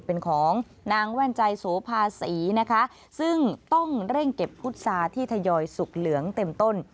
เป็นของนางแว่นใจโสภาษีนะคะซึ่งต้องเร่งเก็บพุษาที่ทยอยสุกเหลืองเต็มต้น